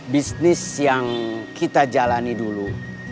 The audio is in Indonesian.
bisnis yang kita jalani dulu